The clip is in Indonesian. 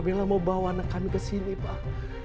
bella mau bawa anak kami kesini pak